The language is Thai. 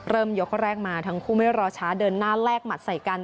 ยกแรกมาทั้งคู่ไม่รอช้าเดินหน้าแลกหมัดใส่กัน